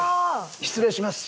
失礼します。